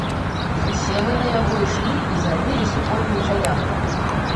Усе мы на яго ішлі і зрабілі супольную заяву.